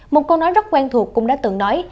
một câu nói rất quen thuộc cũng đã từng nói